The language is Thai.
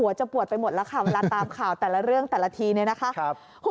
จะปวดไปหมดแล้วค่ะเวลาตามข่าวแต่ละเรื่องแต่ละทีเนี่ยนะคะ